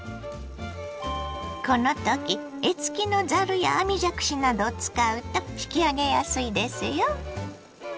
このとき柄付きのざるや網じゃくしなどを使うと引き上げやすいですよ。